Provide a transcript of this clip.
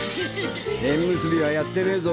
縁結びはやってねぇぞ